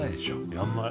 やんない？